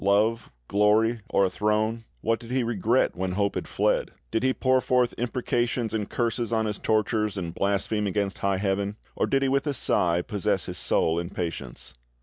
Love, glory, or a throne? What did he regret when hope had fled? Did he pour forth imprecations and curses on his tortures and blaspheme against high Heaven, or did he with a sigh possess his soul in patience?